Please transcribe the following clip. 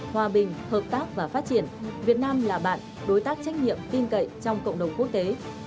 hòa bình hợp tác và phát triển việt nam là bạn đối tác trách nhiệm tin cậy trong cộng đồng quốc tế